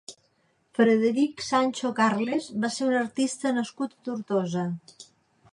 Frederic Sancho Carles va ser un artista nascut a Tortosa.